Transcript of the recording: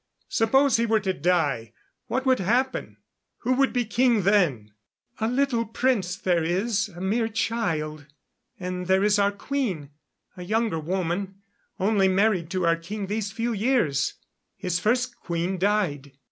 Suppose he were to die what would happen? Who would be king then?" "A little prince there is a mere child. And there is our queen a younger woman, only married to our king these few years. His first queen died."